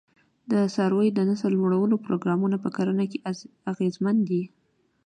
د څارویو د نسل لوړولو پروګرامونه په کرنه کې اغېزمن دي.